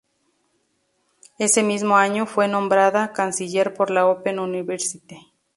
Ese mismo año fue nombrada Canciller por la Open University.